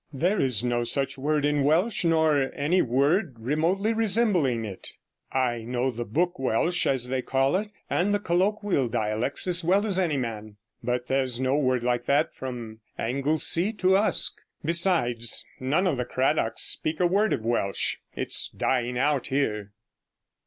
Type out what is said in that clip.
'There is no such word in Welsh, nor any word remotely resembling it. I know the book Welsh, as they call it, and the colloquial dialects as well as any man, but there's no word like that from Anglesea to Usk. Besides, none of the Cradocks speak a word of Welsh; it's dying out about here.'